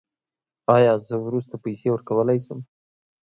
ایا زه وروسته پیسې ورکولی شم؟